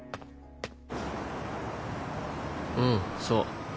そう。